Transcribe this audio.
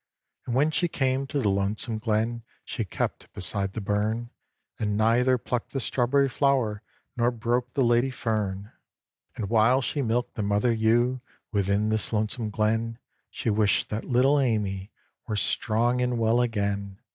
And when she came to the lonesome glen, She kept beside the burn, And neither plucked the strawberry flower, Nor broke the lady fern. And while she milked the mother ewe Within this lonesome glen, She wished that little Amy Were strong and well again.